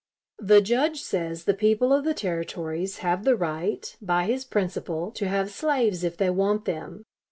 The Judge says the people of the Territories have the right, by his principle, to have slaves if they want them.